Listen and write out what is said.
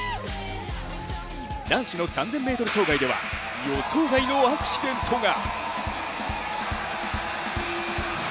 男子の３０００ｍ障害では予想外のアクシデントが。